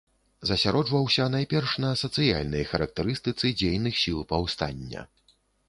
Засяроджваўся, найперш, на сацыяльнай характарыстыцы дзейных сіл паўстання.